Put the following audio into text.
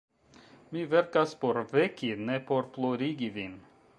Mi verkas por veki, ne por plorigi vin.